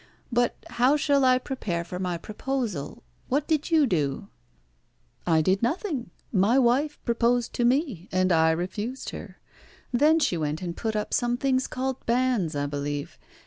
But how shall I prepare for my proposal? What did you do?" "I did nothing. My wife proposed to me, and I refused her. Then she went and put up some things called banns, I believe.